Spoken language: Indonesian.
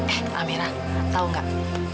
eh amira tau nggak